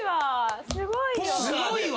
すごいわ。